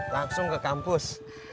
langsung ke kampus